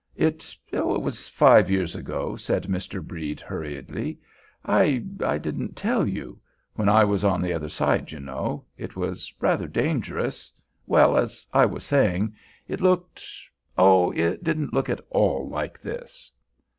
"It—it was five years ago," said Mr. Brede, hurriedly. "I—I didn't tell you—when I was on the other side, you know—it was rather dangerous—well, as I was saying—it looked—oh, it didn't look at all like this."